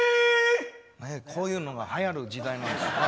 こういうのがはやる時代なんですね